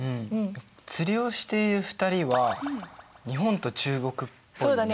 釣りをしている２人は日本と中国っぽいね。